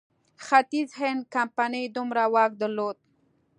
ختیځ هند کمپنۍ دومره واک درلود.